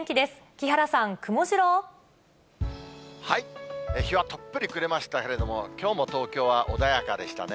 木原さん、日はとっぷり暮れましたけれども、きょうも東京は穏やかでしたね。